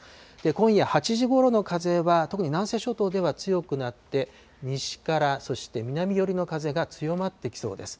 今夜８時ごろの風は、特に南西諸島では強くなって、西からそして南寄りの風が強まってきそうです。